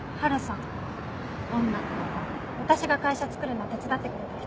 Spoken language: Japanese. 私が会社つくるの手伝ってくれた人。